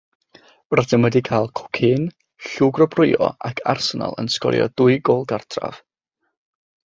Rydym wedi cael cocên, llwgrwobrwyo ac Arsenal yn sgorio dwy gôl gartref.